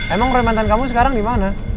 emang roy mantan kamu sekarang dimana